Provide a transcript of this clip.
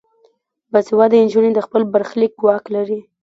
باسواده نجونې د خپل برخلیک واک لري.